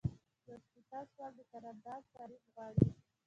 یو شپیتم سوال د قرارداد تعریف غواړي.